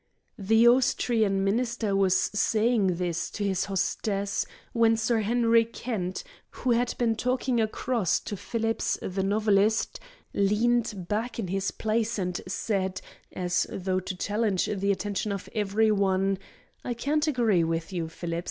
The Austrian Minister was saying this to his hostess, when Sir Henry Kent, who had been talking across to Phillips, the novelist, leaned back in his place and said, as though to challenge the attention of every one, "I can't agree with you, Phillips.